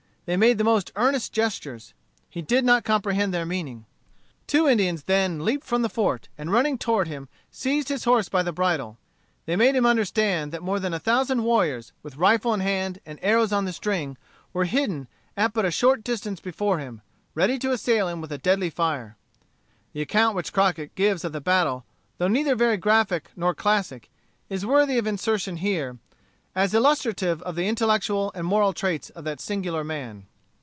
They made the most earnest gestures. He did not comprehend their meaning. Two Indians then leaped from the fort, and running toward him, seized his horse by the bridle. They made him understand that more than a thousand warriors, with rifle in hand and arrows on the string, were hidden, at but a short distance before him, ready to assail him with a deadly fire. The account which Crockett gives of the battle, though neither very graphic nor classic, is worthy of insertion here, as illustrative of the intellectual and moral traits of that singular man.